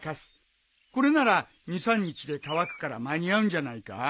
これなら２３日で乾くから間に合うんじゃないか？